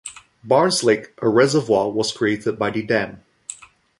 Barnes Lake, a reservoir was created by the dam.